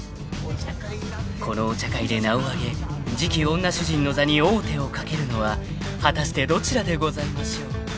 ［このお茶会で名を上げ次期女主人の座に王手をかけるのは果たしてどちらでございましょう］